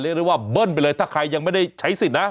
เรียกได้ว่าเบิ้ลไปเลยถ้าใครยังไม่ได้ใช้สิทธิ์นะ